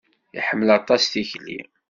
Iḥemmel aṭas tikli.